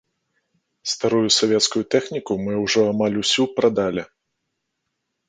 Старую савецкую тэхніку мы ўжо амаль усю прадалі.